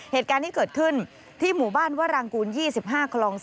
เหตุการณ์ที่เกิดขึ้นที่หมู่บ้านวรังกูล๒๕คลอง๓